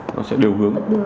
nó sẽ đều hướng